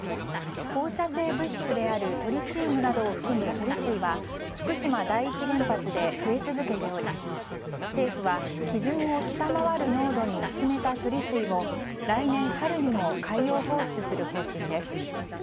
放射性物質であるトリチウムなどを含む処理水は福島第一原発で増え続けており政府は基準を下回る濃度に薄めた処理水を来年春にも海洋放出する方針です。